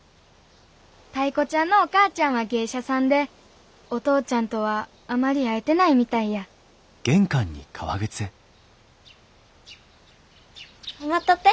タイ子ちゃんのお母ちゃんは芸者さんでお父ちゃんとはあまり会えてないみたいや待っとって。